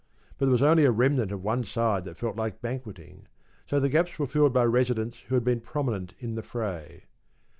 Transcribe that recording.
But there was only a remnant of one side that felt like banqueting, so the gaps were filled by residents who had been prominent in the fray.